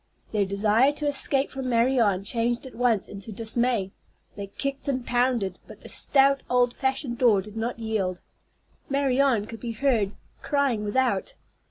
Their desire to escape from Marianne changed at once into dismay. They kicked and pounded, but the stout old fashioned door did not yield. Marianne could be heard crying without.